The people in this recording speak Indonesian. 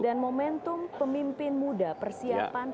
dan momentum pemimpin muda persiapan pemimpin muda